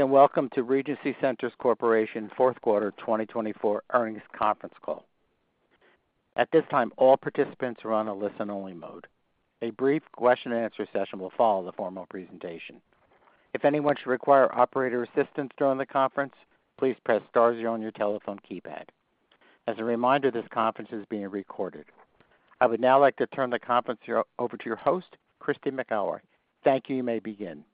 Welcome to Regency Centers Corporation Fourth Quarter 2024 Earnings Conference Call. At this time, all participants are on a listen-only mode. A brief question-and-answer session will follow the formal presentation. If anyone should require operator assistance during the conference, please press star zero on your telephone keypad. As a reminder, this conference is being recorded. I would now like to turn the conference over to your host, Christy McElroy. Thank you. You may begin.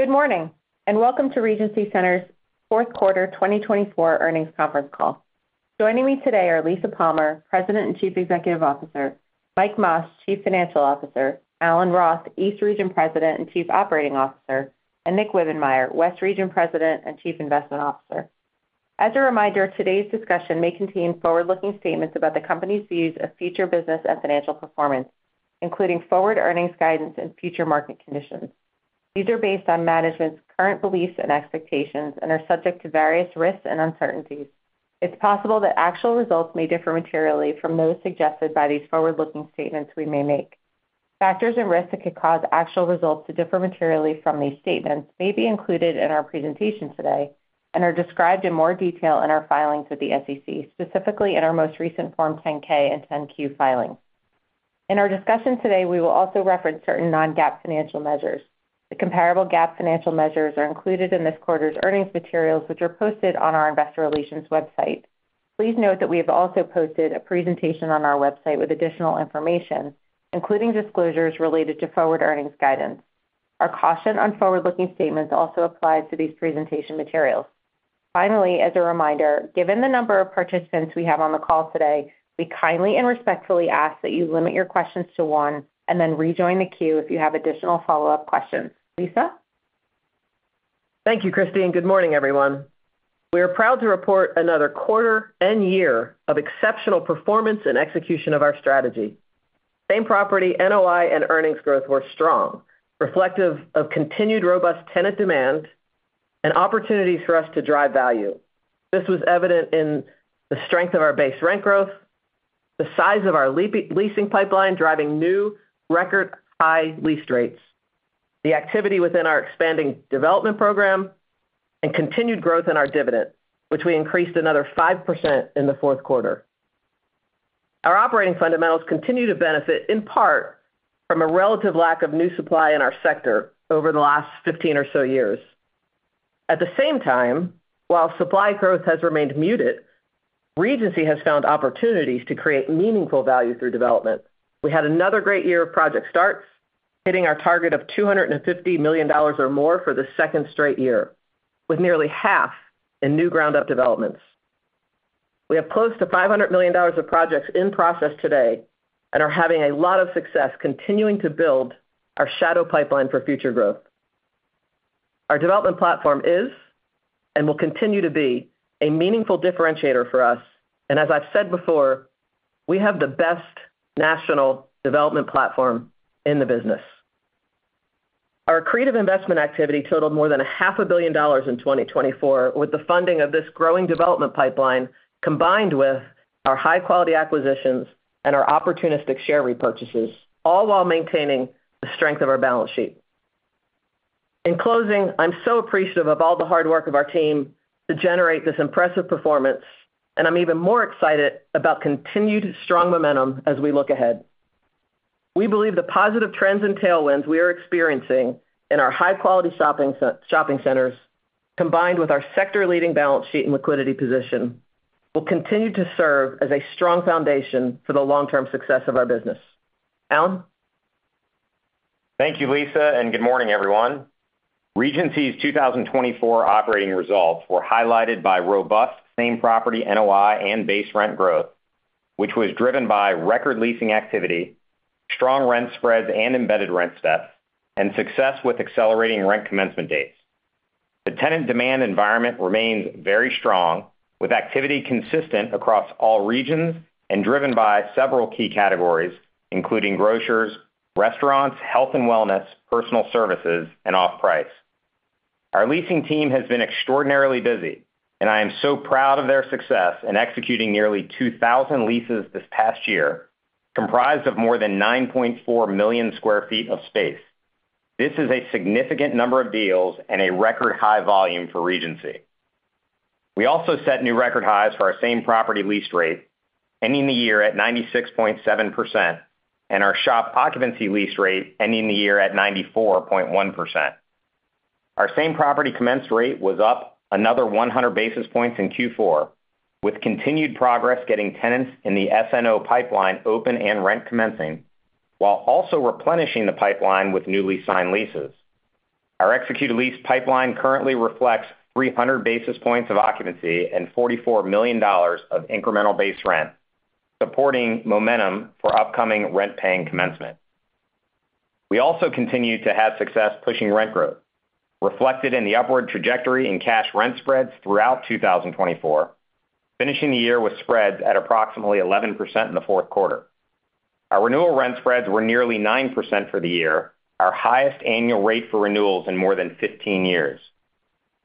Good morning and welcome to Regency Centers Fourth Quarter 2024 Earnings Conference Call. Joining me today are Lisa Palmer, President and Chief Executive Officer, Mike Mas, Chief Financial Officer, Alan Roth, East Region President and Chief Operating Officer, and Nick Wibbenmeyer, West Region President and Chief Investment Officer. As a reminder, today's discussion may contain forward-looking statements about the company's views of future business and financial performance, including forward earnings guidance and future market conditions. These are based on management's current beliefs and expectations and are subject to various risks and uncertainties. It's possible that actual results may differ materially from those suggested by these forward-looking statements we may make. Factors and risks that could cause actual results to differ materially from these statements may be included in our presentation today and are described in more detail in our filings with the SEC, specifically in our most recent Form 10-K and 10-Q filings. In our discussion today, we will also reference certain non-GAAP financial measures. The comparable GAAP financial measures are included in this quarter's earnings materials, which are posted on our Investor Relations website. Please note that we have also posted a presentation on our website with additional information, including disclosures related to forward earnings guidance. Our caution on forward-looking statements also applies to these presentation materials. Finally, as a reminder, given the number of participants we have on the call today, we kindly and respectfully ask that you limit your questions to one and then rejoin the queue if you have additional follow-up questions. Lisa? Thank you, Christy, and good morning, everyone. We are proud to report another quarter and year of exceptional performance and execution of our strategy. Same-Property NOI and earnings growth were strong, reflective of continued robust tenant demand and opportunities for us to drive value. This was evident in the strength of our base rent growth, the size of our leasing pipeline driving new record-high lease rates, the activity within our expanding development program, and continued growth in our dividend, which we increased another 5% in the fourth quarter. Our operating fundamentals continue to benefit in part from a relative lack of new supply in our sector over the last 15 or so years. At the same time, while supply growth has remained muted, Regency has found opportunities to create meaningful value through development. We had another great year of project starts, hitting our target of $250 million or more for the second straight year, with nearly half in new ground-up developments. We have close to $500 million of projects in process today and are having a lot of success continuing to build our shadow pipeline for future growth. Our development platform is and will continue to be a meaningful differentiator for us. And as I've said before, we have the best national development platform in the business. Our accretive investment activity totaled more than $500 million in 2024, with the funding of this growing development pipeline combined with our high-quality acquisitions and our opportunistic share repurchases, all while maintaining the strength of our balance sheet. In closing, I'm so appreciative of all the hard work of our team to generate this impressive performance, and I'm even more excited about continued strong momentum as we look ahead. We believe the positive trends and tailwinds we are experiencing in our high-quality shopping centers, combined with our sector-leading balance sheet and liquidity position, will continue to serve as a strong foundation for the long-term success of our business. Alan? Thank you, Lisa. Good morning, everyone. Regency's 2024 operating results were highlighted by robust same-property NOI and base rent growth, which was driven by record leasing activity, strong rent spreads and embedded rent steps, and success with accelerating rent commencement dates. The tenant demand environment remains very strong, with activity consistent across all regions and driven by several key categories, including grocers, restaurants, health and wellness, personal services, and off-price. Our leasing team has been extraordinarily busy, and I am so proud of their success in executing nearly 2,000 leases this past year, comprised of more than 9.4 million sq ft of space. This is a significant number of deals and a record high volume for Regency. We also set new record highs for our same-property lease rate, ending the year at 96.7%, and our shop occupancy lease rate ending the year at 94.1%. Our same property commenced rate was up another 100 basis points in Q4, with continued progress getting tenants in the SNO pipeline open and rent commencing, while also replenishing the pipeline with newly signed leases. Our executed lease pipeline currently reflects 300 basis points of occupancy and $44 million of incremental base rent, supporting momentum for upcoming rent-paying commencement. We also continue to have success pushing rent growth, reflected in the upward trajectory in cash rent spreads throughout 2024, finishing the year with spreads at approximately 11% in the fourth quarter. Our renewal rent spreads were nearly 9% for the year, our highest annual rate for renewals in more than 15 years.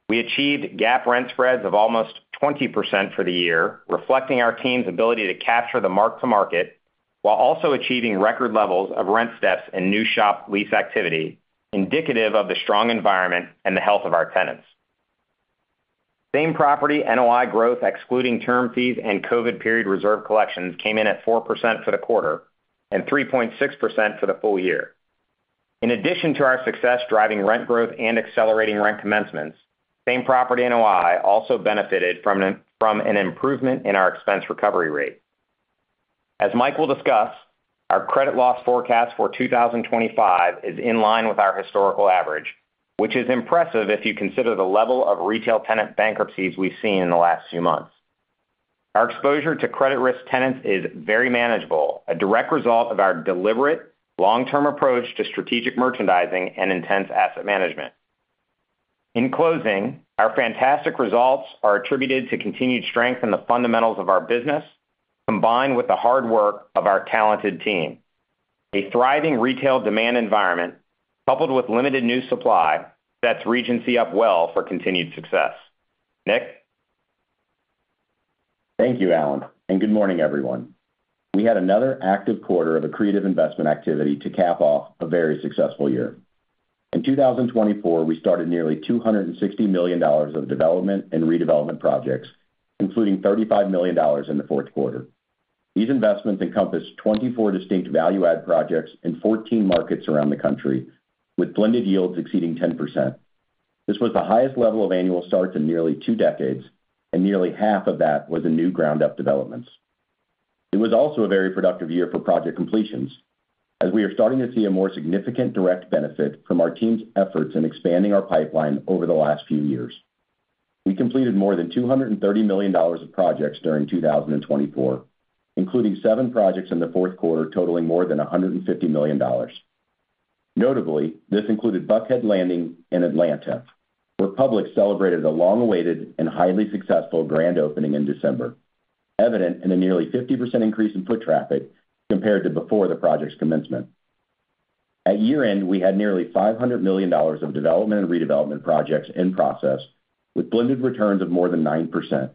We achieved GAAP rent spreads of almost 20% for the year, reflecting our team's ability to capture the mark-to-market while also achieving record levels of rent steps and new shop lease activity, indicative of the strong environment and the health of our tenants. Same-Property NOI growth, excluding term fees and COVID period reserve collections, came in at 4% for the quarter and 3.6% for the full year. In addition to our success driving rent growth and accelerating rent commencements, same-property NOI also benefited from an improvement in our expense recovery rate. As Michael discussed, our credit loss forecast for 2025 is in line with our historical average, which is impressive if you consider the level of retail tenant bankruptcies we've seen in the last few months. Our exposure to credit risk tenants is very manageable, a direct result of our deliberate long-term approach to strategic merchandising and intense asset management. In closing, our fantastic results are attributed to continued strength in the fundamentals of our business, combined with the hard work of our talented team. A thriving retail demand environment, coupled with limited new supply, sets Regency up well for continued success. Nick? Thank you, Alan. Good morning, everyone. We had another active quarter of a accretive investment activity to cap off a very successful year. In 2024, we started nearly $260 million of development and redevelopment projects, including $35 million in the fourth quarter. These investments encompassed 24 distinct value-add projects in 14 markets around the country, with blended yields exceeding 10%. This was the highest level of annual starts in nearly two decades, and nearly half of that was in new ground-up developments. It was also a very productive year for project completions, as we are starting to see a more significant direct benefit from our team's efforts in expanding our pipeline over the last few years. We completed more than $230 million of projects during 2024, including seven projects in the fourth quarter totaling more than $150 million. Notably, this included Buckhead Landing in Atlanta, where Publix celebrated a long-awaited and highly successful grand opening in December, evident in a nearly 50% increase in foot traffic compared to before the project's commencement. At year-end, we had nearly $500 million of development and redevelopment projects in process, with blended returns of more than 9%.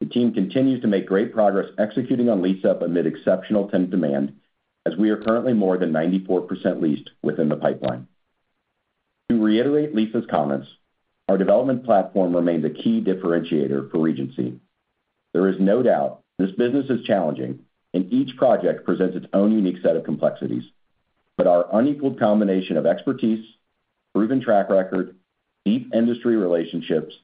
The team continues to make great progress executing on lease-up amid exceptional tenant demand, as we are currently more than 94% leased within the pipeline. To reiterate Lisa's comments, our development platform remains a key differentiator for Regency. There is no doubt this business is challenging, and each project presents its own unique set of complexities. But our unequaled combination of expertise, proven track record, deep industry relationships,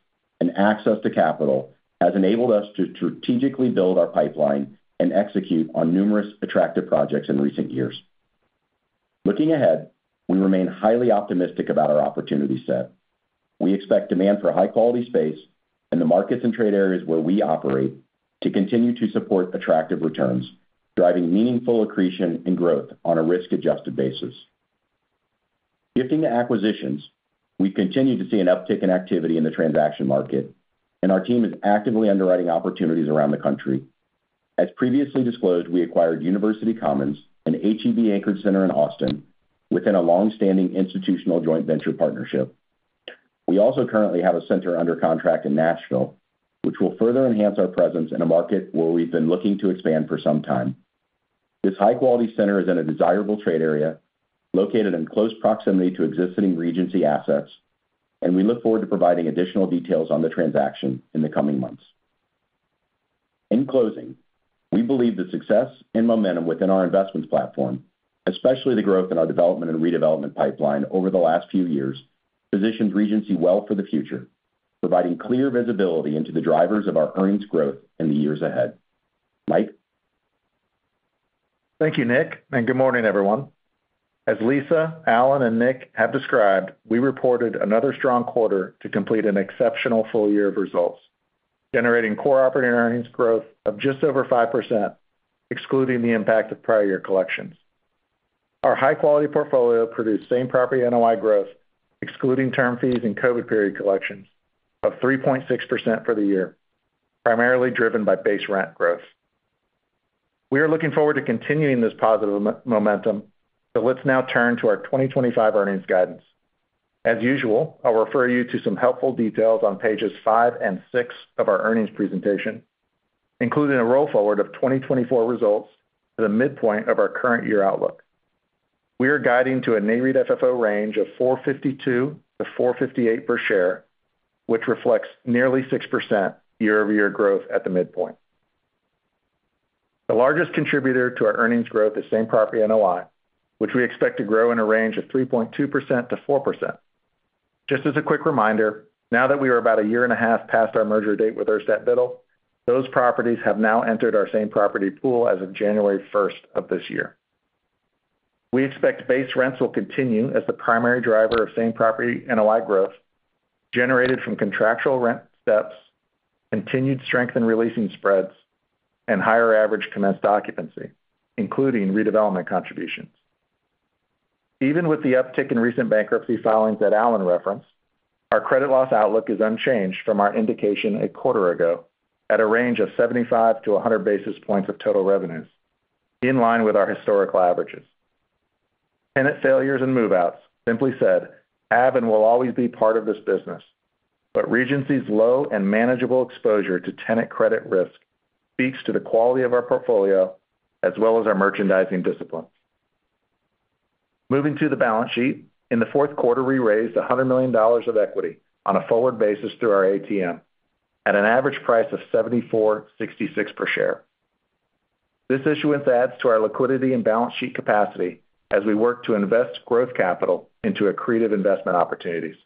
and access to capital has enabled us to strategically build our pipeline and execute on numerous attractive projects in recent years. Looking ahead, we remain highly optimistic about our opportunity set. We expect demand for high-quality space and the markets and trade areas where we operate to continue to support attractive returns, driving meaningful accretion and growth on a risk-adjusted basis. Shifting to acquisitions, we continue to see an uptick in activity in the transaction market, and our team is actively underwriting opportunities around the country. As previously disclosed, we acquired University Commons, an H-E-B anchored center in Austin within a long-standing institutional joint venture partnership. We also currently have a center under contract in Nashville, which will further enhance our presence in a market where we've been looking to expand for some time. This high-quality center is in a desirable trade area, located in close proximity to existing Regency assets, and we look forward to providing additional details on the transaction in the coming months. In closing, we believe the success and momentum within our investments platform, especially the growth in our development and redevelopment pipeline over the last few years, positions Regency well for the future, providing clear visibility into the drivers of our earnings growth in the years ahead. Mike? Thank you, Nick. Good morning, everyone. As Lisa, Alan, and Nick have described, we reported another strong quarter to complete an exceptional full year of results, generating core operating earnings growth of just over 5%, excluding the impact of prior year collections. Our high-quality portfolio produced same property NOI growth, excluding term fees and COVID period collections, of 3.6% for the year, primarily driven by base rent growth. We are looking forward to continuing this positive momentum, so let's now turn to our 2025 earnings guidance. As usual, I'll refer you to some helpful details on pages five and six of our earnings presentation, including a roll forward of 2024 results to the midpoint of our current year outlook. We are guiding to a Nareit FFO range of 452-458 per share, which reflects nearly 6% year-over-year growth at the midpoint. The largest contributor to our earnings growth is Same-Property NOI, which we expect to grow in a range of 3.2%-4%. Just as a quick reminder, now that we are about a year and a half past our merger date with Urstadt Biddle, those properties have now entered our same property pool as of January 1st of this year. We expect base rents will continue as the primary driver of Same-Property NOI growth, generated from contractual rent steps, continued strength in releasing spreads, and higher average commenced occupancy, including redevelopment contributions. Even with the uptick in recent bankruptcy filings that Alan referenced, our credit loss outlook is unchanged from our indication a quarter ago at a range of 75-100 basis points of total revenues, in line with our historical averages. Tenant failures and move-outs, simply said, have and will always be part of this business, but Regency's low and manageable exposure to tenant credit risk speaks to the quality of our portfolio as well as our merchandising disciplines. Moving to the balance sheet, in the fourth quarter, we raised $100 million of equity on a forward basis through our ATM at an average price of 74.66 per share. This issuance adds to our liquidity and balance sheet capacity as we work to invest growth capital into accretive investment opportunities.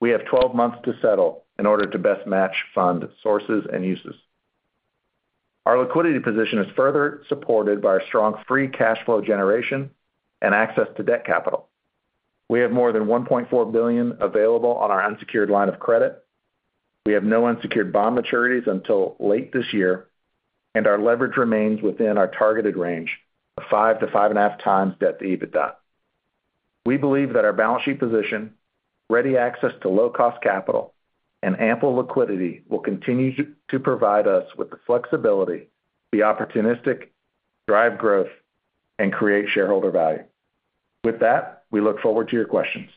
We have 12 months to settle in order to best match fund sources and uses. Our liquidity position is further supported by our strong free cash flow generation and access to debt capital. We have more than $1.4 billion available on our unsecured line of credit. We have no unsecured bond maturities until late this year, and our leverage remains within our targeted range of five to five and a half times debt to EBITDA. We believe that our balance sheet position, ready access to low-cost capital, and ample liquidity will continue to provide us with the flexibility, the opportunistic drive growth, and create shareholder value. With that, we look forward to your questions.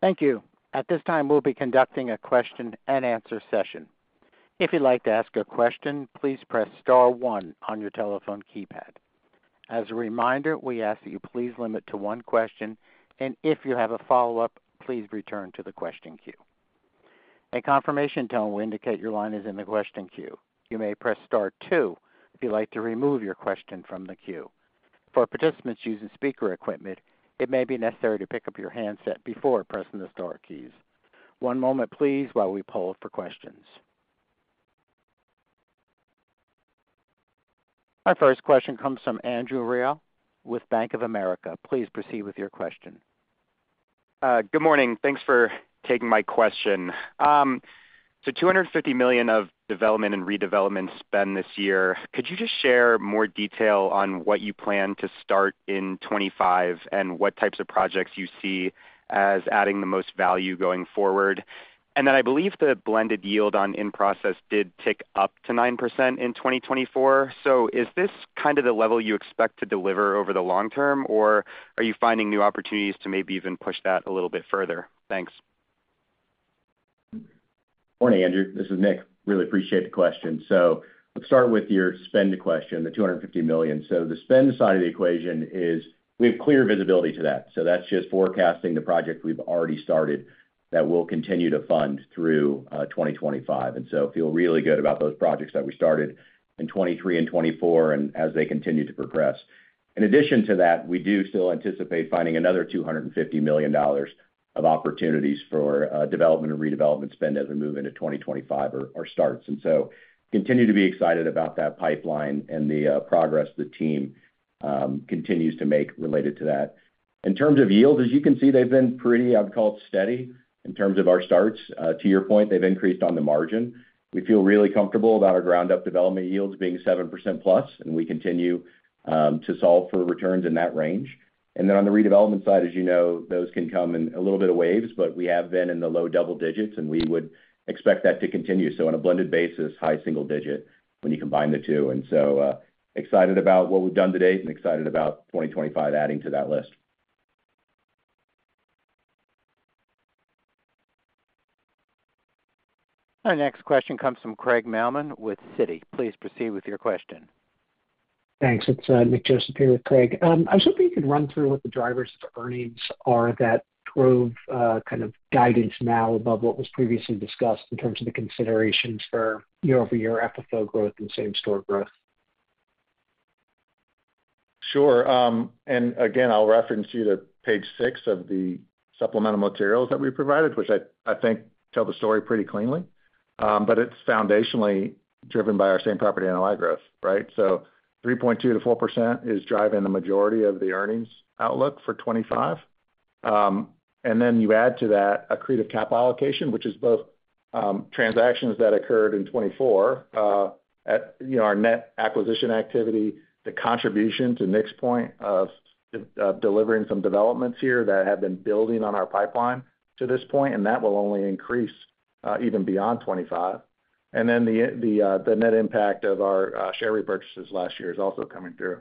Thank you. At this time, we'll be conducting a question-and-answer session. If you'd like to ask a question, please press star one on your telephone keypad. As a reminder, we ask that you please limit to one question, and if you have a follow-up, please return to the question queue. A confirmation tone will indicate your line is in the question queue. You may press star two if you'd like to remove your question from the queue. For participants using speaker equipment, it may be necessary to pick up your handset before pressing the star keys. One moment, please, while we poll for questions. Our first question comes from Andrew Reale with Bank of America. Please proceed with your question. Good morning. Thanks for taking my question. So $250 million of development and redevelopment spend this year, could you just share more detail on what you plan to start in 2025 and what types of projects you see as adding the most value going forward? And then I believe the blended yield on in-process did tick up to 9% in 2024. So is this kind of the level you expect to deliver over the long term, or are you finding new opportunities to maybe even push that a little bit further? Thanks. Morning, Andrew. This is Nick. Really appreciate the question. So let's start with your spend question, the $250 million. So the spend side of the equation is we have clear visibility to that. So that's just forecasting the project we've already started that we'll continue to fund through 2025. And so feel really good about those projects that we started in 2023 and 2024 and as they continue to progress. In addition to that, we do still anticipate finding another $250 million of opportunities for development and redevelopment spend as we move into 2025 or starts. And so continue to be excited about that pipeline and the progress the team continues to make related to that. In terms of yield, as you can see, they've been pretty, I would call it, steady in terms of our starts. To your point, they've increased on the margin. We feel really comfortable about our ground-up development yields being 7% plus, and we continue to solve for returns in that range, and then on the redevelopment side, as you know, those can come in a little bit of waves, but we have been in the low double digits, and we would expect that to continue, so on a blended basis, high single digit when you combine the two, and so excited about what we've done to date and excited about 2025 adding to that list. Our next question comes from Craig Mailman with Citi. Please proceed with your question. Thanks. It's Nick Joseph here with Craig. I was hoping you could run through what the drivers of earnings are that drove kind of guidance now above what was previously discussed in terms of the considerations for year-over-year FFO growth and same store growth. Sure. And again, I'll reference you to page six of the supplemental materials that we provided, which I think tell the story pretty cleanly. But it's foundationally driven by our same-property NOI growth, right? So 3.2%-4% is driving the majority of the earnings outlook for 2025. And then you add to that accretive cap allocation, which is both transactions that occurred in 2024, our net acquisition activity, the contribution to Nick's point of delivering some developments here that have been building on our pipeline to this point, and that will only increase even beyond 2025. And then the net impact of our share repurchases last year is also coming through.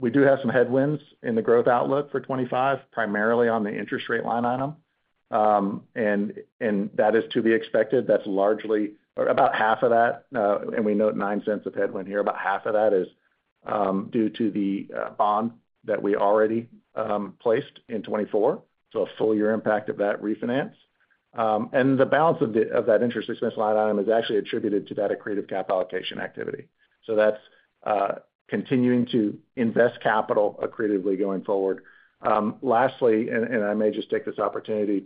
We do have some headwinds in the growth outlook for 2025, primarily on the interest rate line item. And that is to be expected. That's largely about half of that. We note $0.09 of headwind here. About half of that is due to the bond that we already placed in 2024. A full year impact of that refinance. The balance of that interest expense line item is actually attributed to that accretive cap allocation activity. That's continuing to invest capital accretively going forward. Lastly, I may just take this opportunity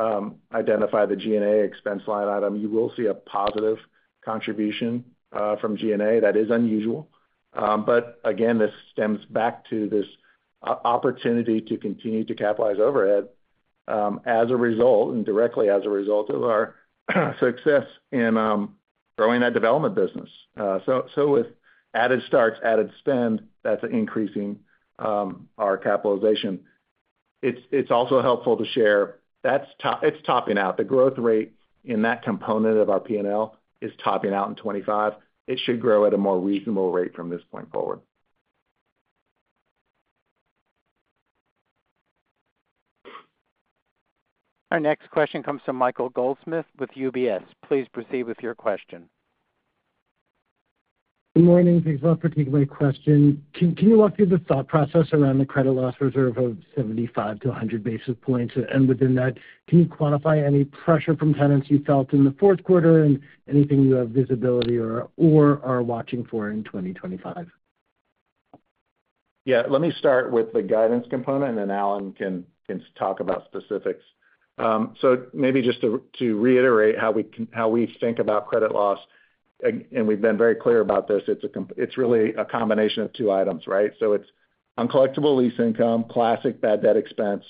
to identify the G&A expense line item. You will see a positive contribution from G&A. That is unusual. Again, this stems back to this opportunity to continue to capitalize overhead as a result and directly as a result of our success in growing that development business. With added starts, added spend, that's increasing our capitalization. It's also helpful to share that it's topping out. The growth rate in that component of our P&L is topping out in 2025. It should grow at a more reasonable rate from this point forward. Our next question comes from Michael Goldsmith with UBS. Please proceed with your question. Good morning. Thanks a lot for taking my question. Can you walk through the thought process around the credit loss reserve of 75-100 basis points? And within that, can you quantify any pressure from tenants you felt in the fourth quarter and anything you have visibility or are watching for in 2025? Yeah. Let me start with the guidance component, and then Alan can talk about specifics. So maybe just to reiterate how we think about credit loss, and we've been very clear about this, it's really a combination of two items, right? So it's uncollectible lease income, classic bad debt expense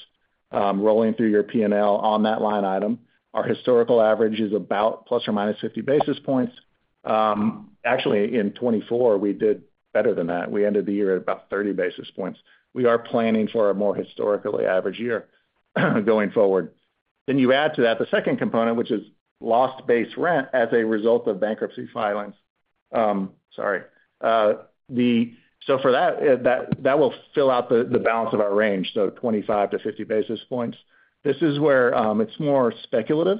rolling through your P&L on that line item. Our historical average is about plus or minus 50 basis points. Actually, in 2024, we did better than that. We ended the year at about 30 basis points. We are planning for a more historically average year going forward. Then you add to that the second component, which is lost base rent as a result of bankruptcy filings. Sorry. So for that, that will fill out the balance of our range, so 25-50 basis points. This is where it's more speculative.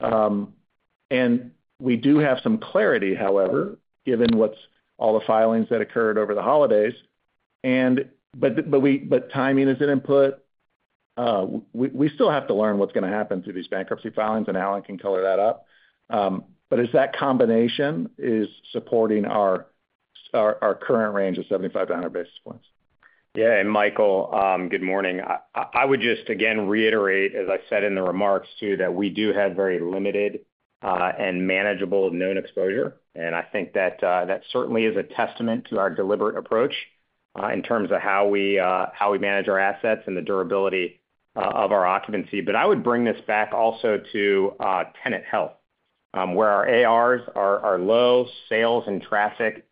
And we do have some clarity, however, given all the filings that occurred over the holidays. But timing is an input. We still have to learn what's going to happen through these bankruptcy filings, and Alan can color that up. But it's that combination that is supporting our current range of 75-100 basis points. Yeah. And Michael, good morning. I would just, again, reiterate, as I said in the remarks too, that we do have very limited and manageable known exposure. And I think that that certainly is a testament to our deliberate approach in terms of how we manage our assets and the durability of our occupancy. But I would bring this back also to tenant health, where our ARs are low, sales and traffic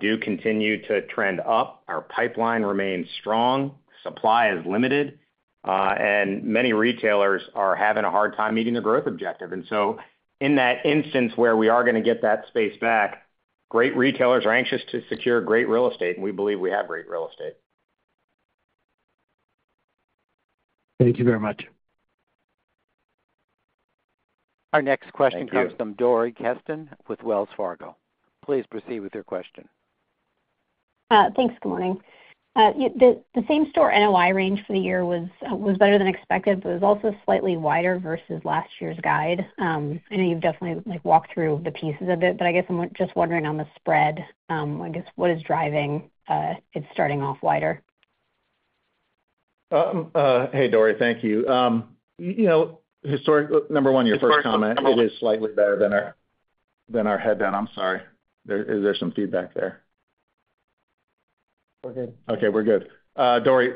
do continue to trend up. Our pipeline remains strong, supply is limited, and many retailers are having a hard time meeting the growth objective. And so in that instance where we are going to get that space back, great retailers are anxious to secure great real estate, and we believe we have great real estate. Thank you very much. Our next question comes from Dori Kesten with Wells Fargo. Please proceed with your question. Thanks. Good morning. The same store NOI range for the year was better than expected, but it was also slightly wider versus last year's guide. I know you've definitely walked through the pieces of it, but I guess I'm just wondering on the spread, I guess, what is driving it starting off wider? Hey, Dori, thank you. Number one, your first comment, it is slightly better than our headnote. I'm sorry. Is there some feedback there? We're good. Okay. We're good. Dory,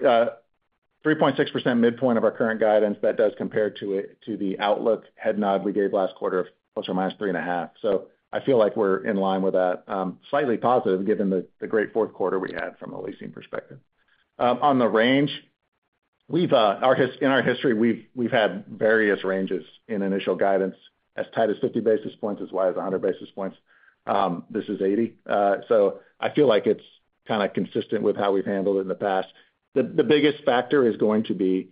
3.6% midpoint of our current guidance, that does compare to the outlook headnote we gave last quarter of plus or minus 3.5%. So I feel like we're in line with that, slightly positive given the great fourth quarter we had from a leasing perspective. On the range, in our history, we've had various ranges in initial guidance, as tight as 50 basis points, as wide as 100 basis points. This is 80. So I feel like it's kind of consistent with how we've handled it in the past. The biggest factor is going to be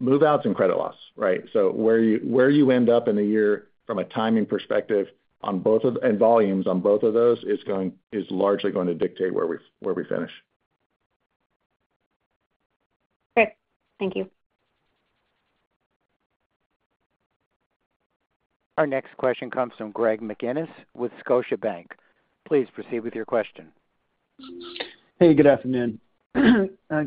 move-outs and credit loss, right? So where you end up in the year from a timing perspective and volumes on both of those is largely going to dictate where we finish. Great. Thank you. Our next question comes from Greg McGinniss with Scotiabank. Please proceed with your question. Hey, good afternoon.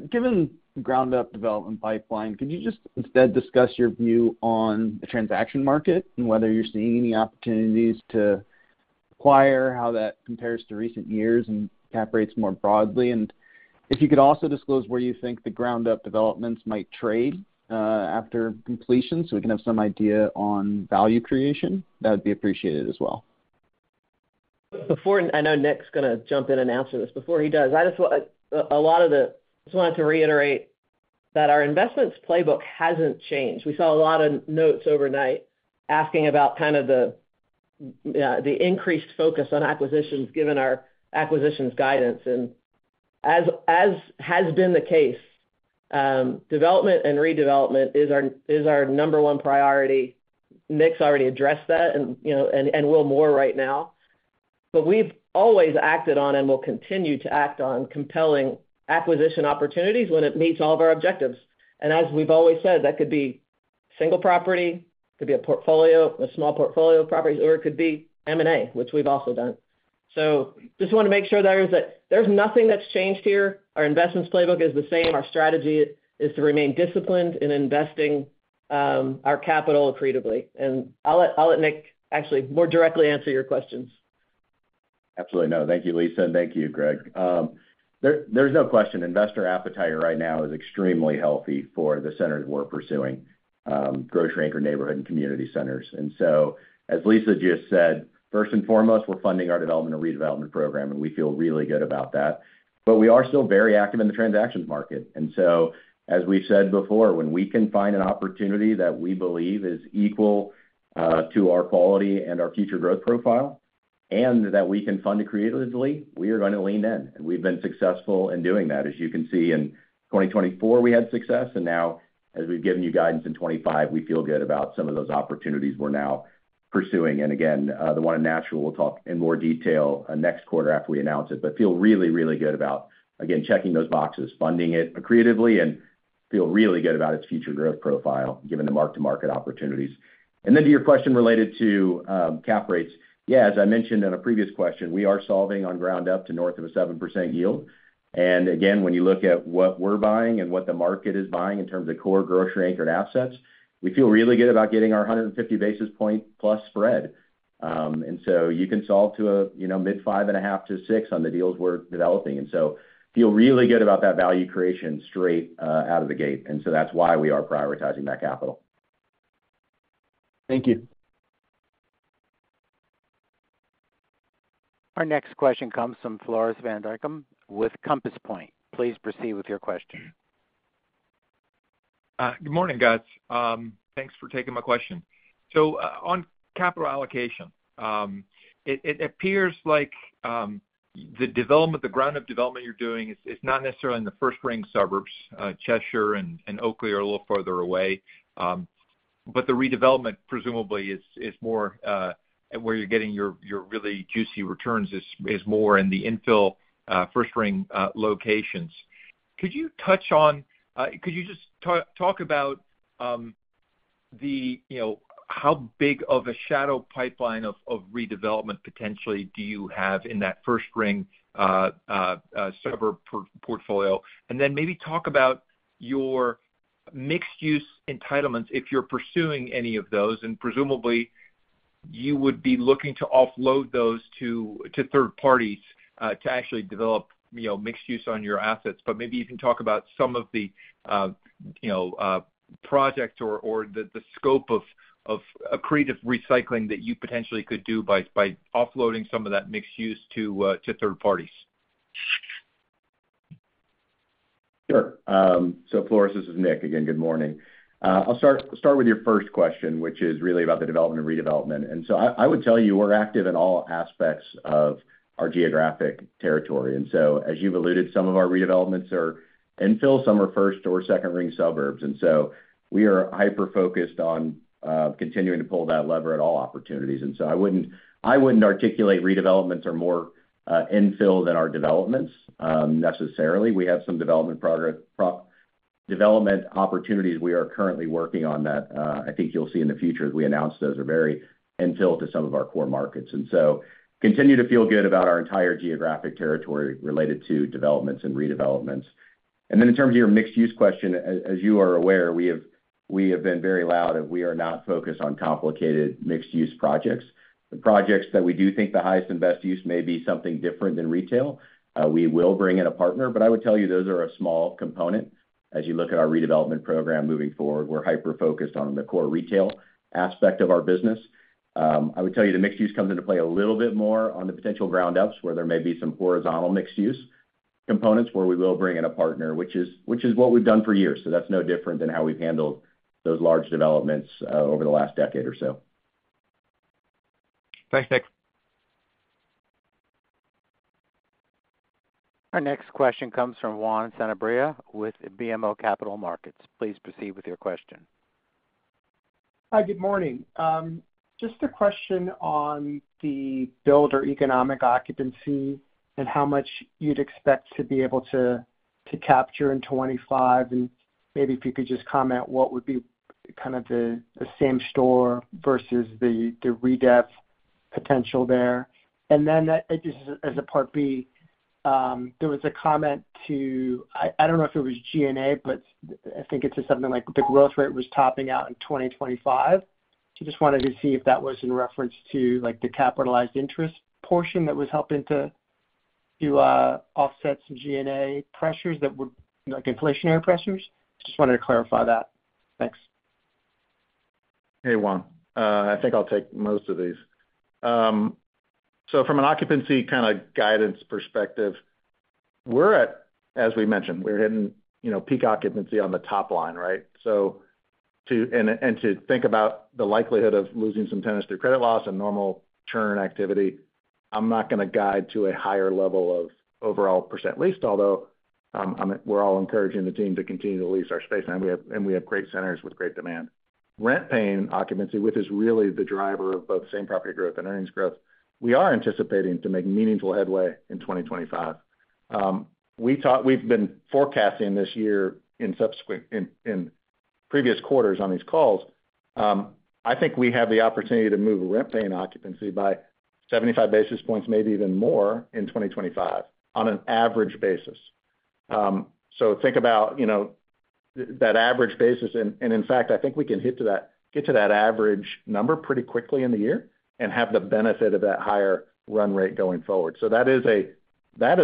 Given the ground-up development pipeline, could you just instead discuss your view on the transaction market and whether you're seeing any opportunities to acquire, how that compares to recent years and cap rates more broadly? And if you could also disclose where you think the ground-up developments might trade after completion so we can have some idea on value creation, that would be appreciated as well. I know Nick's going to jump in and answer this. Before he does, I just wanted to reiterate that our investments playbook hasn't changed. We saw a lot of notes overnight asking about kind of the increased focus on acquisitions given our acquisitions guidance, and as has been the case, development and redevelopment is our number one priority. Nick's already addressed that and will more right now, but we've always acted on and will continue to act on compelling acquisition opportunities when it meets all of our objectives, and as we've always said, that could be single property, could be a portfolio, a small portfolio of properties, or it could be M&A, which we've also done, so just want to make sure there's nothing that's changed here. Our investments playbook is the same. Our strategy is to remain disciplined in investing our capital accretively, and I'll let Nick actually more directly answer your questions. Absolutely. No, thank you, Lisa, and thank you, Greg. There's no question. Investor appetite right now is extremely healthy for the centers we're pursuing, grocery anchor neighborhood and community centers. And so as Lisa just said, first and foremost, we're funding our development and redevelopment program, and we feel really good about that. But we are still very active in the transactions market. And so as we've said before, when we can find an opportunity that we believe is equal to our quality and our future growth profile and that we can fund accretively, we are going to lean in. And we've been successful in doing that. As you can see, in 2024, we had success. And now, as we've given you guidance in 2025, we feel good about some of those opportunities we're now pursuing. And again, the one in Nashville, we'll talk in more detail next quarter after we announce it, but feel really, really good about, again, checking those boxes, funding it accretively, and feel really good about its future growth profile given the mark-to-market opportunities. And then to your question related to cap rates, yeah, as I mentioned in a previous question, we are solving on ground up to north of a 7% yield. And again, when you look at what we're buying and what the market is buying in terms of core grocery anchored assets, we feel really good about getting our 150 basis point plus spread. And so you can solve to mid-5.5 to 6 on the deals we're developing. And so feel really good about that value creation straight out of the gate. And so that's why we are prioritizing that capital. Thank you. Our next question comes from Floris van Dijkum with Compass Point. Please proceed with your question. Good morning, guys. Thanks for taking my question. So on capital allocation, it appears like the ground-up development you're doing is not necessarily in the first ring suburbs. Cheshire and Oakley are a little further away. But the redevelopment, presumably, is more where you're getting your really juicy returns is more in the infill first ring locations. Could you just talk about how big of a shadow pipeline of redevelopment potentially do you have in that first ring suburb portfolio? And then maybe talk about your mixed-use entitlements if you're pursuing any of those. And presumably, you would be looking to offload those to third parties to actually develop mixed-use on your assets. But maybe you can talk about some of the projects or the scope of accretive recycling that you potentially could do by offloading some of that mixed-use to third parties. Sure. So Floris, this is Nick. Again, good morning. I'll start with your first question, which is really about the development and redevelopment. And so I would tell you we're active in all aspects of our geographic territory. And so as you've alluded, some of our redevelopments are infill, some are first or second ring suburbs. And so we are hyper-focused on continuing to pull that lever at all opportunities. And so I wouldn't articulate redevelopments are more infill than our developments necessarily. We have some development opportunities we are currently working on that I think you'll see in the future as we announce those are very infill to some of our core markets. And so continue to feel good about our entire geographic territory related to developments and redevelopments. And then, in terms of your mixed-use question, as you are aware, we have been very loud about we are not focused on complicated mixed-use projects. The projects that we do think the highest and best use may be something different than retail, we will bring in a partner. But I would tell you those are a small component. As you look at our redevelopment program moving forward, we're hyper-focused on the core retail aspect of our business. I would tell you the mixed-use comes into play a little bit more on the potential ground-ups where there may be some horizontal mixed-use components where we will bring in a partner, which is what we've done for years. So that's no different than how we've handled those large developments over the last decade or so. Thanks, Nick. Our next question comes from Juan Sanabria with BMO Capital Markets. Please proceed with your question. Hi, good morning. Just a question on the leased or economic occupancy and how much you'd expect to be able to capture in 2025. And maybe if you could just comment what would be kind of the same store versus the redev potential there. And then just as a part B, there was a comment. I don't know if it was G&A, but I think it's something like the growth rate was topping out in 2025. So I just wanted to see if that was in reference to the capitalized interest portion that was helping to offset some G&A pressures that were inflationary pressures. Just wanted to clarify that. Thanks. Hey, Juan. I think I'll take most of these. So from an occupancy kind of guidance perspective, we're at, as we mentioned, we're hitting peak occupancy on the top line, right? And to think about the likelihood of losing some tenants through credit loss and normal churn activity, I'm not going to guide to a higher level of overall % leased, although we're all encouraging the team to continue to lease our space, and we have great centers with great demand. Rent-paying occupancy which is really the driver of both same property growth and earnings growth. We are anticipating to make meaningful headway in 2025. We've been forecasting this year in previous quarters on these calls. I think we have the opportunity to move rent-paying occupancy by 75 basis points, maybe even more in 2025 on an average basis. So think about that average basis. And in fact, I think we can hit to that average number pretty quickly in the year and have the benefit of that higher run rate going forward. So that is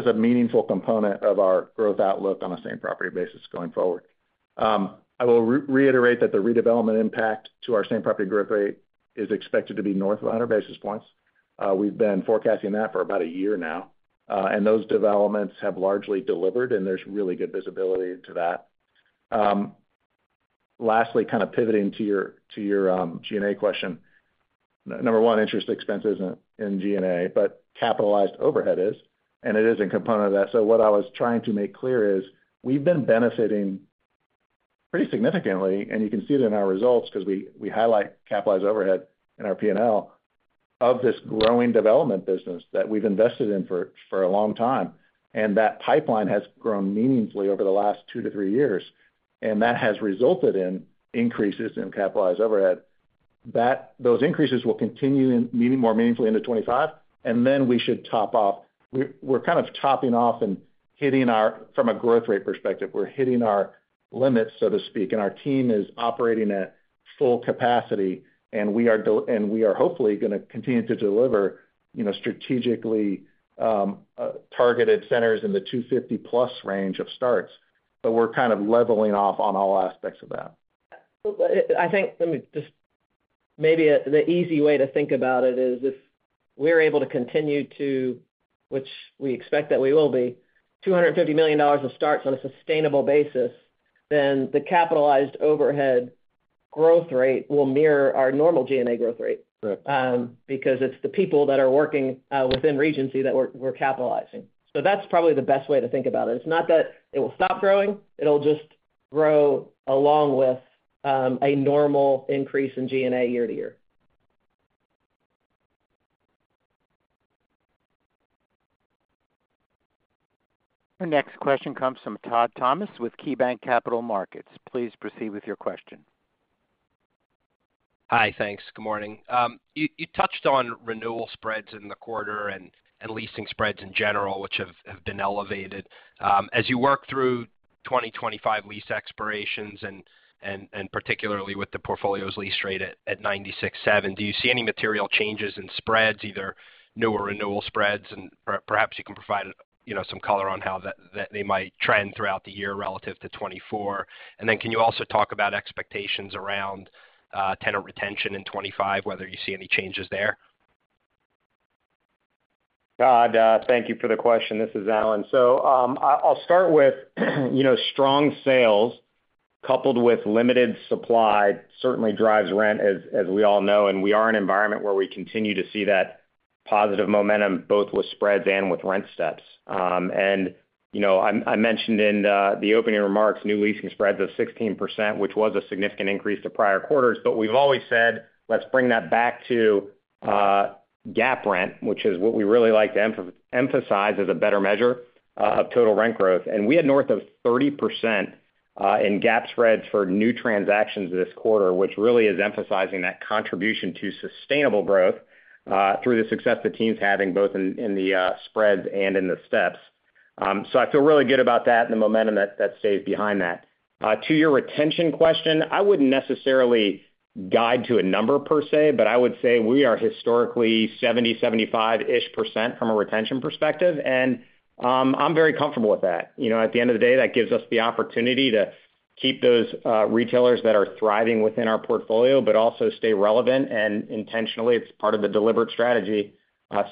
a meaningful component of our growth outlook on a same property basis going forward. I will reiterate that the redevelopment impact to our same property growth rate is expected to be north of 100 basis points. We've been forecasting that for about a year now. And those developments have largely delivered, and there's really good visibility to that. Lastly, kind of pivoting to your G&A question, number one, interest expenses in G&A, but capitalized overhead is, and it is a component of that. So what I was trying to make clear is we've been benefiting pretty significantly, and you can see it in our results because we highlight capitalized overhead in our P&L of this growing development business that we've invested in for a long time, and that pipeline has grown meaningfully over the last two to three years, and that has resulted in increases in capitalized overhead. Those increases will continue more meaningfully into 2025, and then we should top off. We're kind of topping off and hitting our from a growth rate perspective, we're hitting our limits, so to speak, and our team is operating at full capacity, and we are hopefully going to continue to deliver strategically targeted centers in the 250-plus range of starts, but we're kind of leveling off on all aspects of that. I think maybe the easy way to think about it is if we're able to continue to, which we expect that we will be, $250 million of starts on a sustainable basis, then the capitalized overhead growth rate will mirror our normal G&A growth rate because it's the people that are working within Regency that we're capitalizing. So that's probably the best way to think about it. It's not that it will stop growing. It'll just grow along with a normal increase in G&A year to year. Our next question comes from Todd Thomas with KeyBank Capital Markets. Please proceed with your question. Hi, thanks. Good morning. You touched on renewal spreads in the quarter and leasing spreads in general, which have been elevated. As you work through 2025 lease expirations and particularly with the portfolio's lease rate at 96.7%, do you see any material changes in spreads, either new or renewal spreads? And perhaps you can provide some color on how they might trend throughout the year relative to 2024. And then can you also talk about expectations around tenant retention in 2025, whether you see any changes there? Todd, thank you for the question. This is Alan. So I'll start with strong sales coupled with limited supply certainly drives rent, as we all know. And we are in an environment where we continue to see that positive momentum both with spreads and with rent steps. And I mentioned in the opening remarks, new leasing spreads of 16%, which was a significant increase to prior quarters. But we've always said, let's bring that back to GAAP rent, which is what we really like to emphasize as a better measure of total rent growth. And we had north of 30% in GAAP spreads for new transactions this quarter, which really is emphasizing that contribution to sustainable growth through the success the team's having both in the spreads and in the steps. So I feel really good about that and the momentum that stays behind that. To your retention question, I wouldn't necessarily guide to a number per se, but I would say we are historically 70%-75%-ish from a retention perspective. And I'm very comfortable with that. At the end of the day, that gives us the opportunity to keep those retailers that are thriving within our portfolio, but also stay relevant. And intentionally, it's part of the deliberate strategy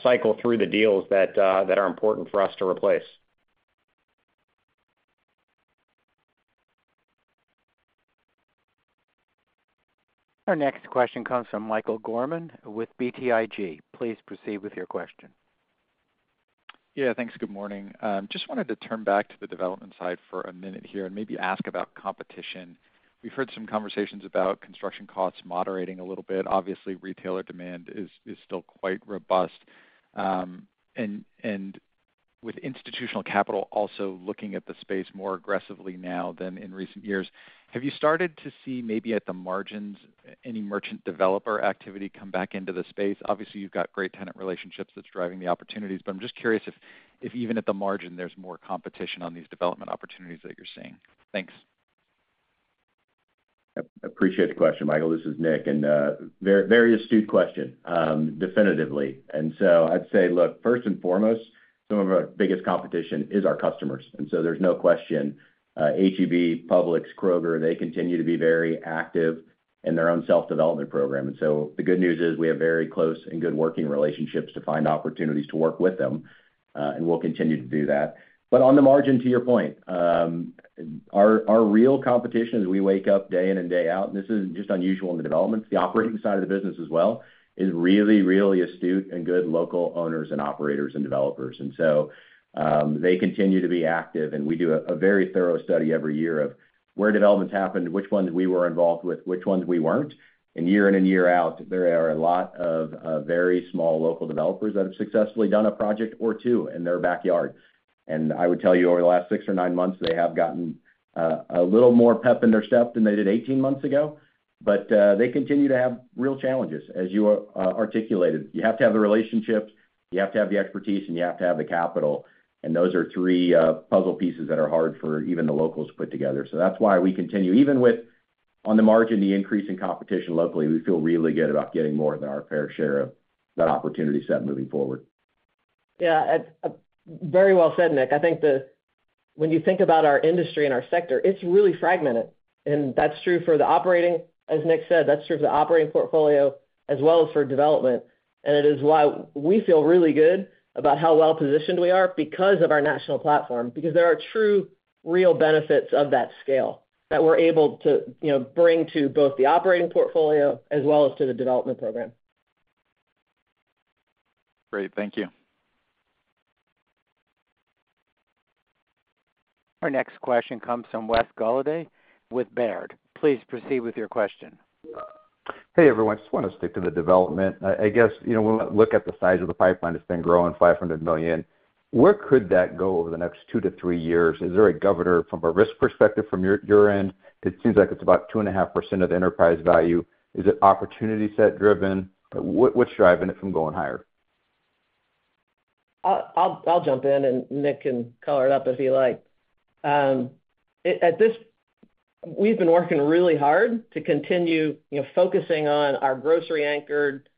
cycle through the deals that are important for us to replace. Our next question comes from Michael Gorman with BTIG. Please proceed with your question. Yeah, thanks. Good morning. Just wanted to turn back to the development side for a minute here and maybe ask about competition. We've heard some conversations about construction costs moderating a little bit. Obviously, retailer demand is still quite robust. And with institutional capital also looking at the space more aggressively now than in recent years, have you started to see maybe at the margins any merchant developer activity come back into the space? Obviously, you've got great tenant relationships that's driving the opportunities. But I'm just curious if even at the margin, there's more competition on these development opportunities that you're seeing. Thanks. Appreciate the question, Michael. This is Nick. And very astute question, definitely. And so I'd say, look, first and foremost, some of our biggest competition is our customers. And so there's no question H-E-B, Publix, Kroger, they continue to be very active in their own self-development program. And so the good news is we have very close and good working relationships to find opportunities to work with them. And we'll continue to do that. But on the margin, to your point, our real competition is we wake up day in and day out. And this is just unusual in the developments. The operating side of the business as well is really, really astute and good local owners and operators and developers. And so they continue to be active. And we do a very thorough study every year of where developments happened, which ones we were involved with, which ones we weren't. And year in and year out, there are a lot of very small local developers that have successfully done a project or two in their backyard. And I would tell you over the last six or nine months, they have gotten a little more pep in their step than they did 18 months ago. But they continue to have real challenges. As you articulated, you have to have the relationships, you have to have the expertise, and you have to have the capital. And those are three puzzle pieces that are hard for even the locals to put together. So that's why we continue, even with on the margin, the increase in competition locally, we feel really good about getting more than our fair share of that opportunity set moving forward. Yeah, very well said, Nick. I think when you think about our industry and our sector, it's really fragmented. And that's true for the operating, as Nick said, that's true for the operating portfolio as well as for development. And it is why we feel really good about how well-positioned we are because of our national platform, because there are true real benefits of that scale that we're able to bring to both the operating portfolio as well as to the development program. Great. Thank you. Our next question comes from Wes Golladay with Baird. Please proceed with your question. Hey, everyone. I just want to stick to the development. I guess when we look at the size of the pipeline, it's been growing $500 million. Where could that go over the next two to three years? Is there a governor from a risk perspective from your end? It seems like it's about 2.5% of the enterprise value. Is it opportunity set driven? What's driving it from going higher? I'll jump in, and Nick can color it up if he likes. We've been working really hard to continue focusing on our grocery-anchored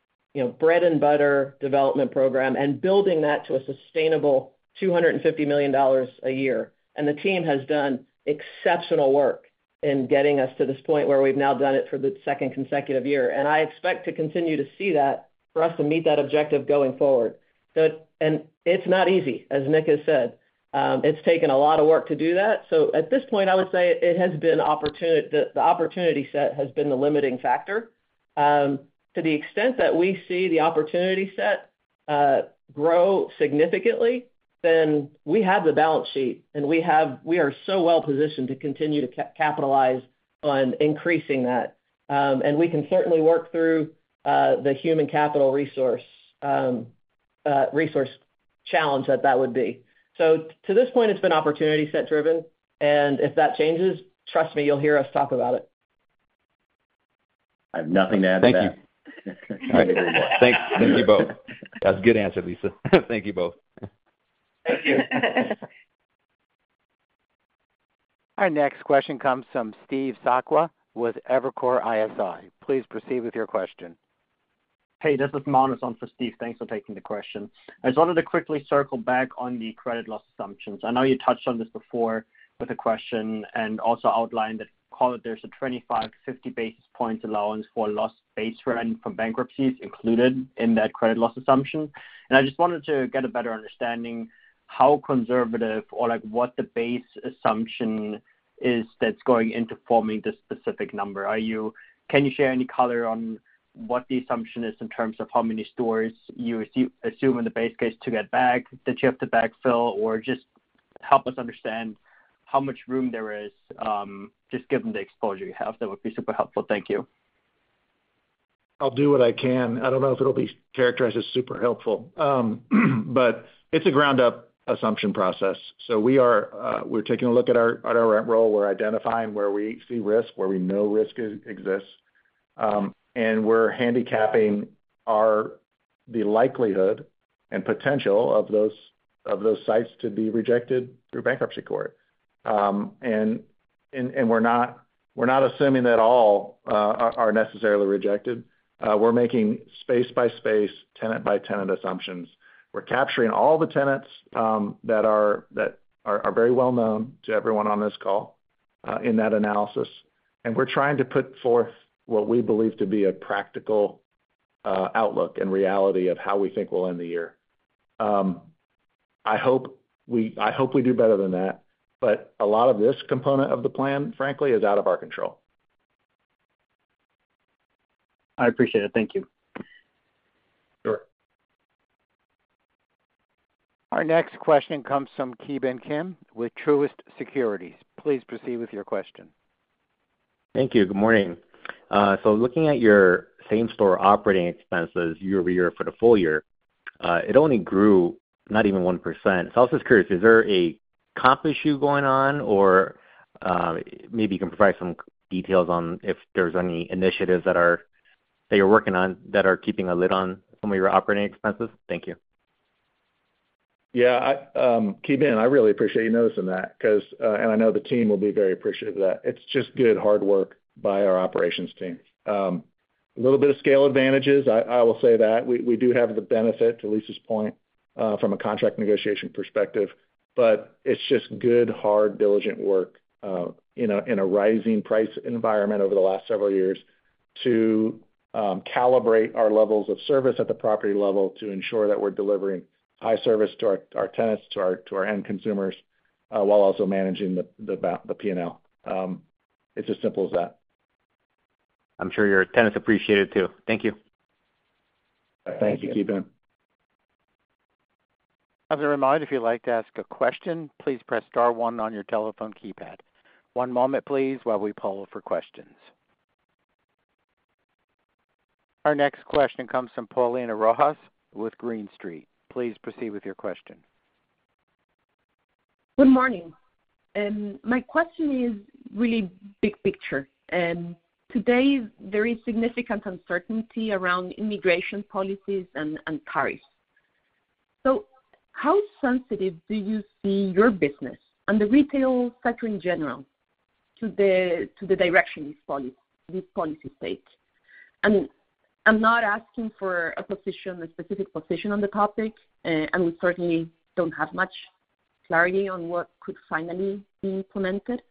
bread-and-butter development program and building that to a sustainable $250 million a year, and the team has done exceptional work in getting us to this point where we've now done it for the second consecutive year. I expect to continue to see that for us to meet that objective going forward, and it's not easy, as Nick has said. It's taken a lot of work to do that. So at this point, I would say the opportunity set has been the limiting factor. To the extent that we see the opportunity set grow significantly, then we have the balance sheet, and we are so well-positioned to continue to capitalize on increasing that. We can certainly work through the human capital resource challenge that that would be. To this point, it's been opportunity set driven. If that changes, trust me, you'll hear us talk about it. I have nothing to add to that. Thank you. Thank you both. That was a good answer, Lisa. Thank you both. Thank you. Our next question comes from Steve Sakwa with Evercore ISI. Please proceed with your question. Hey, this is from Steve. Thanks for taking the question. I just wanted to quickly circle back on the credit loss assumptions. I know you touched on this before with a question and also outlined that there's a 25-50 basis points allowance for loss-based rent from bankruptcies included in that credit loss assumption. And I just wanted to get a better understanding how conservative or what the base assumption is that's going into forming this specific number. Can you share any color on what the assumption is in terms of how many stores you assume in the base case to get back that you have to backfill or just help us understand how much room there is just given the exposure you have? That would be super helpful. Thank you. I'll do what I can. I don't know if it'll be characterized as super helpful, but it's a ground-up assumption process. So we're taking a look at our rent roll. We're identifying where we see risk, where we know risk exists. And we're handicapping the likelihood and potential of those sites to be rejected through bankruptcy court. And we're not assuming that all are necessarily rejected. We're making space-by-space, tenant-by-tenant assumptions. We're capturing all the tenants that are very well-known to everyone on this call in that analysis. And we're trying to put forth what we believe to be a practical outlook and reality of how we think we'll end the year. I hope we do better than that, but a lot of this component of the plan, frankly, is out of our control. I appreciate it. Thank you. Sure. Our next question comes from Ki Bin Kim with Truist Securities. Please proceed with your question. Thank you. Good morning. So looking at your same-store operating expenses year-over-year for the full year, it only grew not even 1%. So I was just curious, is there a comp issue going on, or maybe you can provide some details on if there's any initiatives that you're working on that are keeping a lid on some of your operating expenses? Thank you. Yeah. Ki Bin, I really appreciate you noticing that, and I know the team will be very appreciative of that. It's just good hard work by our operations team. A little bit of scale advantages, I will say that. We do have the benefit, to Lisa's point, from a contract negotiation perspective, but it's just good, hard, diligent work in a rising price environment over the last several years to calibrate our levels of service at the property level to ensure that we're delivering high service to our tenants, to our end consumers, while also managing the P&L. It's as simple as that. I'm sure your tenants appreciate it too. Thank you. Thank you, Ki Bin. As a reminder, if you'd like to ask a question, please press star one on your telephone keypad. One moment, please, while we poll for questions. Our next question comes from Paulina Rojas with Green Street. Please proceed with your question. Good morning. And my question is really big picture. And today, there is significant uncertainty around immigration policies and tariffs. So how sensitive do you see your business and the retail sector in general to the direction these policies take? And I'm not asking for a specific position on the topic, and we certainly don't have much clarity on what could finally be implemented.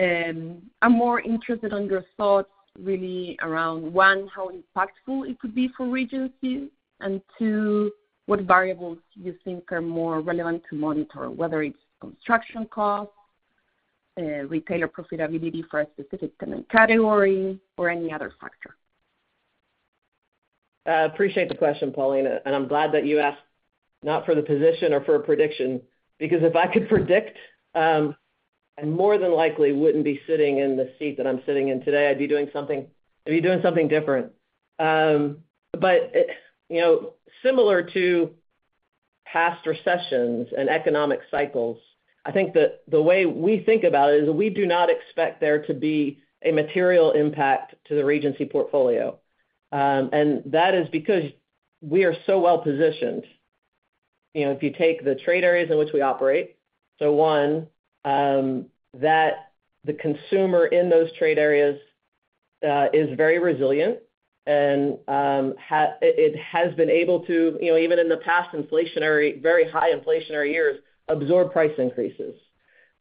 I'm more interested in your thoughts really around, one, how impactful it could be for Regency, and two, what variables you think are more relevant to monitor, whether it's construction costs, retailer profitability for a specific tenant category, or any other factor. I appreciate the question, Paulina. And I'm glad that you asked not for the position or for a prediction, because if I could predict, I more than likely wouldn't be sitting in the seat that I'm sitting in today. I'd be doing something different. But similar to past recessions and economic cycles, I think that the way we think about it is we do not expect there to be a material impact to the Regency portfolio. And that is because we are so well-positioned. If you take the trade areas in which we operate, so one, that the consumer in those trade areas is very resilient, and it has been able to, even in the past inflationary, very high inflationary years, absorb price increases.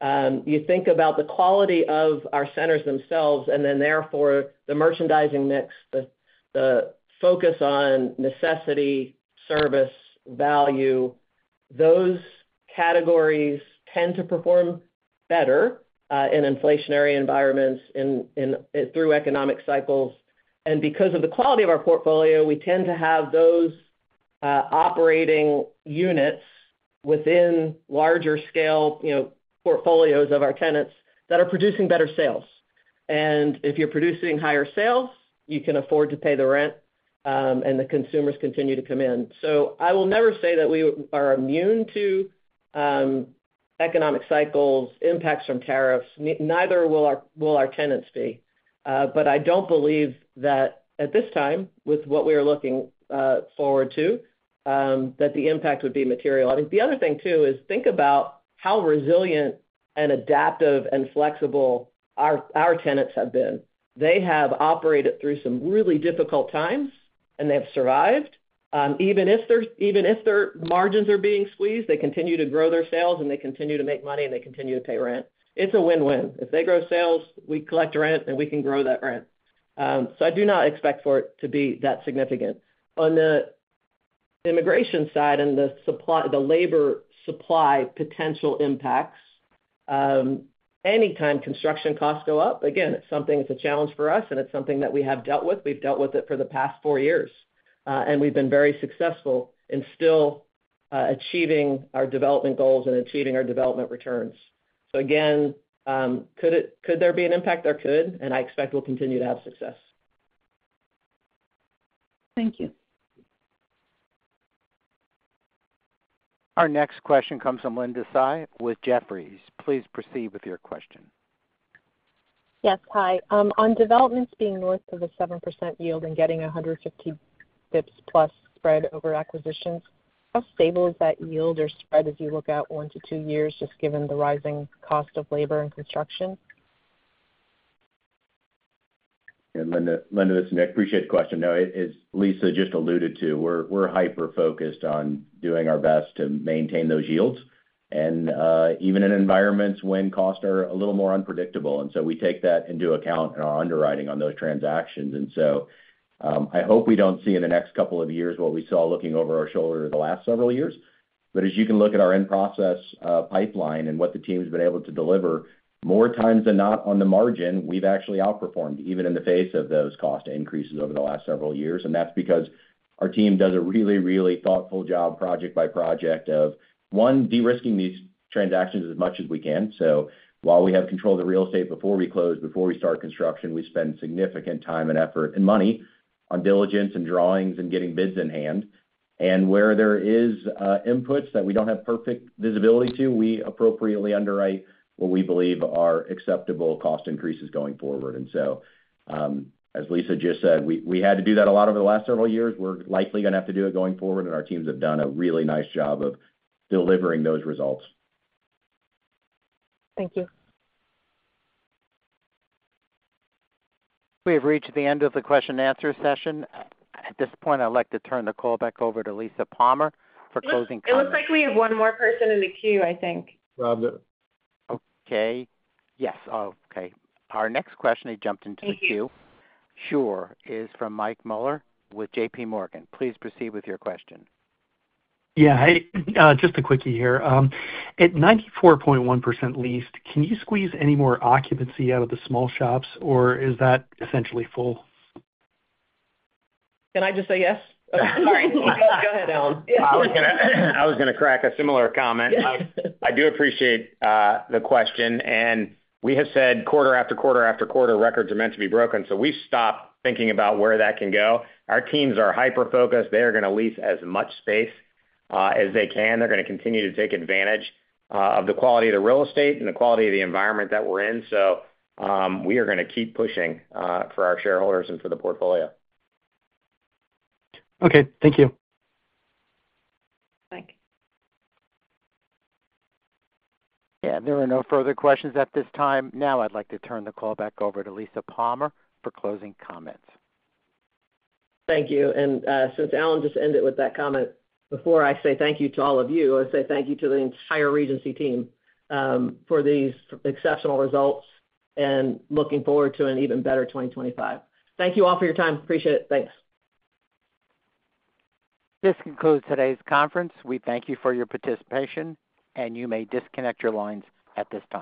You think about the quality of our centers themselves, and then therefore the merchandising mix, the focus on necessity, service, value. Those categories tend to perform better in inflationary environments through economic cycles. And because of the quality of our portfolio, we tend to have those operating units within larger scale portfolios of our tenants that are producing better sales. And if you're producing higher sales, you can afford to pay the rent, and the consumers continue to come in. So I will never say that we are immune to economic cycles, impacts from tariffs. Neither will our tenants be. But I don't believe that at this time, with what we are looking forward to, that the impact would be material. I think the other thing too is think about how resilient and adaptive and flexible our tenants have been. They have operated through some really difficult times, and they have survived. Even if their margins are being squeezed, they continue to grow their sales, and they continue to make money, and they continue to pay rent. It's a win-win. If they grow sales, we collect rent, and we can grow that rent. So I do not expect for it to be that significant. On the immigration side and the labor supply potential impacts, anytime construction costs go up, again, it's something that's a challenge for us, and it's something that we have dealt with. We've dealt with it for the past four years, and we've been very successful in still achieving our development goals and achieving our development returns. So again, could there be an impact? There could, and I expect we'll continue to have success. Thank you. Our next question comes from Linda Tsai with Jefferies. Please proceed with your question. Yes. Hi. On developments being north of a 7% yield and getting 150 basis points plus spread over acquisitions, how stable is that yield or spread as you look at one to two years, just given the rising cost of labor and construction? Linda, this is Nick. Appreciate the question. Now, as Lisa just alluded to, we're hyper-focused on doing our best to maintain those yields, and even in environments when costs are a little more unpredictable. And so we take that into account in our underwriting on those transactions. And so I hope we don't see in the next couple of years what we saw looking over our shoulder the last several years. But as you can look at our in-process pipeline and what the team has been able to deliver, more times than not on the margin, we've actually outperformed even in the face of those cost increases over the last several years. And that's because our team does a really, really thoughtful job project by project of, one, de-risking these transactions as much as we can. So while we have control of the real estate before we close, before we start construction, we spend significant time and effort and money on diligence and drawings and getting bids in hand. And where there are inputs that we don't have perfect visibility to, we appropriately underwrite what we believe are acceptable cost increases going forward. And so, as Lisa just said, we had to do that a lot over the last several years. We're likely going to have to do it going forward, and our teams have done a really nice job of delivering those results. Thank you. We have reached the end of the question-and-answer session. At this point, I'd like to turn the call back over to Lisa Palmer for closing questions. It looks like we have one more person in the queue, I think. Robin. Okay. Yes. Oh, okay. Our next question had jumped into the queue. Thank you. Sure. Is from Mike Mueller with J.P. Morgan. Please proceed with your question. Yeah. Hey. Just a quickie here. At 94.1% leased, can you squeeze any more occupancy out of the small shops, or is that essentially full? Can I just say yes? Sorry. Go ahead, Alan. I was going to crack a similar comment. I do appreciate the question. And we have said quarter after quarter after quarter, records are meant to be broken. So we've stopped thinking about where that can go. Our teams are hyper-focused. They are going to lease as much space as they can. They're going to continue to take advantage of the quality of the real estate and the quality of the environment that we're in. So we are going to keep pushing for our shareholders and for the portfolio. Okay. Thank you. Thanks. Yeah. There are no further questions at this time. Now, I'd like to turn the call back over to Lisa Palmer for closing comments. Thank you, and since Alan just ended with that comment, before I say thank you to all of you, I want to say thank you to the entire executive team for these exceptional results, and looking forward to an even better 2025. Thank you all for your time. Appreciate it. Thanks. This concludes today's conference. We thank you for your participation, and you may disconnect your lines at this time.